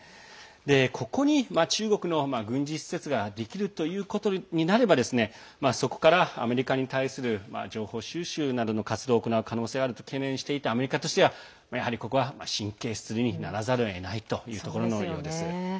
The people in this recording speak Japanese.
ここに中国の軍事施設ができるということになればそこから、アメリカに対する情報収集などの活動を行う可能性があると懸念していたアメリカとしてはここは神経質にならざるをえないというところのようです。